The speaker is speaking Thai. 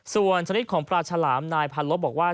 ส่วนชนิดของปลาฉลามนายพันลบบอกว่า